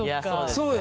そうよ。